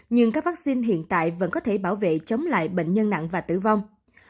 nhưng các vaccine hiện tại vẫn có thể bảo vệ chống lại bệnh nhân nặng và tử vong